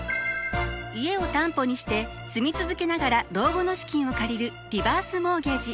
家を担保にして住み続けながら老後の資金を借りるリバースモーゲージ。